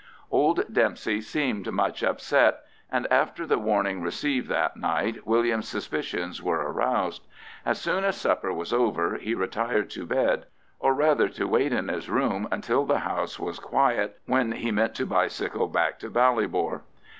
Old Dempsey seemed much upset, and after the warning received that night William's suspicions were aroused. As soon as supper was over he retired to bed, or rather to wait in his room until the house was quiet, when he meant to bicycle back to Ballybor.